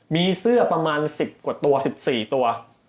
มีเสื้อประมาณ๑๐กว่าตัว๑๔ตัว